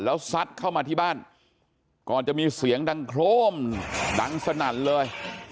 แล้วซัดเข้ามาที่บ้านก่อนจะมีเสียงดังโครมดังสนั่นเลย